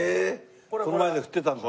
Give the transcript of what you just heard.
この前で振ってたんだ。